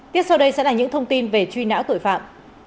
tiếp sau đây sẽ là những thông tin về truy nã tội phạm